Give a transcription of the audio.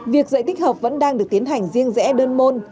việc dạy tích hợp vẫn đang được tiến hành riêng rẽ đơn môn